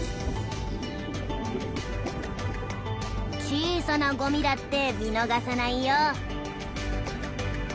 「小さなゴミだって見逃さないよ」。